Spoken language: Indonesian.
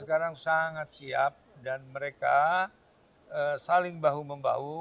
sekarang sangat siap dan mereka saling bahu membahu